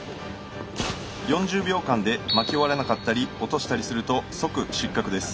４０秒間で巻き終われなかったり落としたりすると即失格です。